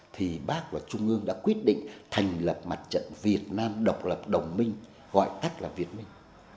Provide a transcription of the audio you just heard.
thì bác và trung ương đã quyết định thành lập mặt trận việt nam độc lập đồng minh gọi tắt là việt minh